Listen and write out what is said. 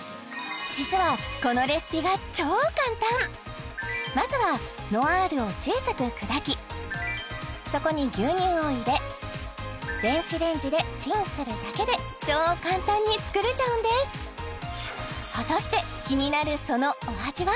実はこのまずはノアールを小さく砕きそこに牛乳を入れ電子レンジでチンするだけで超簡単に作れちゃうんです果たして気になるそのお味は？